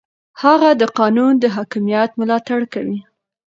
هغه د قانون د حاکمیت ملاتړ کوي.